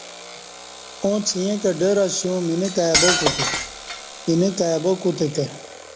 اݩڅ ییں کہ ڈر اسیوم اینہ کائ با کوتہ کہ